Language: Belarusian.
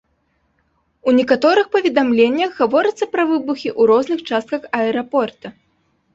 У некаторых паведамленнях гаворыцца пра выбухі ў розных частках аэрапорта.